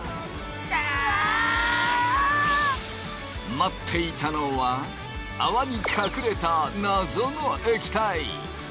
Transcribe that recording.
待っていたのは泡に隠れた謎の液体。